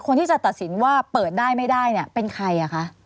คนที่จะตัดสินว่าเปิดได้ไม่ได้เนี่ยเป็นใครอ่ะคะ